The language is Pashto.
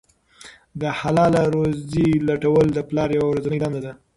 د حلاله روزۍ لټول د پلار یوه ورځنۍ دنده ده.